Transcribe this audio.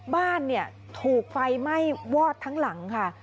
บ้านเนี่ยถูกไฟไหม้วอดทั้งหลังค่ะ